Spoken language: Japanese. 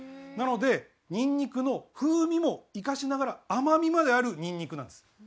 なのでニンニクの風味も生かしながら甘みまであるニンニクなんです。